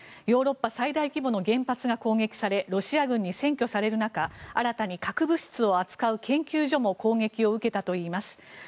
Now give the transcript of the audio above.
ヨーロッパ最大規模の原発が攻撃されロシア軍に占拠される中新たに核物質を扱う研究所も攻撃を受けたといいます。